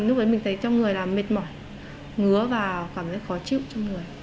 lúc đấy mình thấy cho người là mệt mỏi ngứa và cảm thấy khó chịu cho người